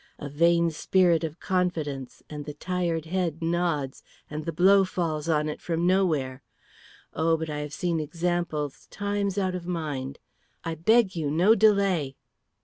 A vain spirit of confidence, and the tired head nods, and the blow falls on it from nowhere. Oh, but I have seen examples times out of mind. I beg you, no delay!"